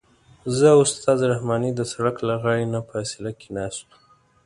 زه او استاد رحماني د سړک له غاړې نه فاصله کې ناست وو.